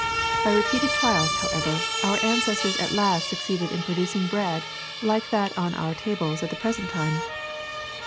By repeated trials, however, our ancestors at last succeeded in producing bread like that on our tables at the present time.